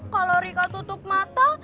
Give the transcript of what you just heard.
kalau rika tutup mata